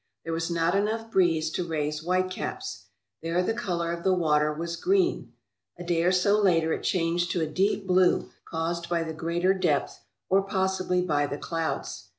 There was not enough breeze to raise white caps. There the colour of the water was green. A day or so later it changed to a deep blue, caused by the greater depth, or possibly by the clouds.